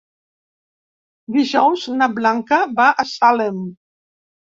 Dijous na Blanca va a Salem.